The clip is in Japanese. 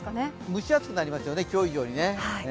蒸し暑くなりますよね、今日以上に。